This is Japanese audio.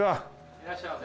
いらっしゃいませ。